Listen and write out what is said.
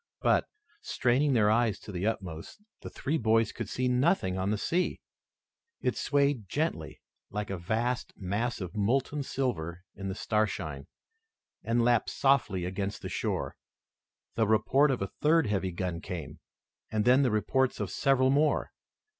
But, straining their eyes to the utmost, the three boys could see nothing on the sea. It swayed gently like a vast mass of molten silver in the starshine, and lapped softly against the shore. The report of a third heavy gun came, and then the reports of several more.